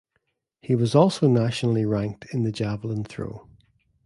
He was also nationally ranked in the javelin throw.